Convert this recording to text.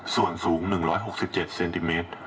ส่วนสูง๑๖๗เซนติเมตร